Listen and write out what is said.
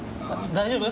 大丈夫？